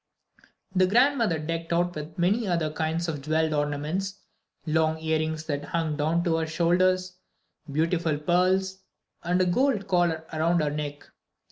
The grandmother decked her out with many other kinds of jewelled ornaments, long earrings that hung down to her shoulders, beautiful pearls, and a gold collar around her neck.